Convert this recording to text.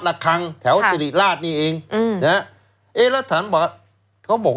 ระคังแถวสิริราชนี่เองอืมนะฮะเอ๊ะแล้วฉันบอกเขาบอกว่า